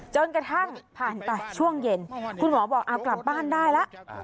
จนกระทั่งผ่านไปช่วงเย็นคุณหมอบอกเอากลับบ้านได้แล้ว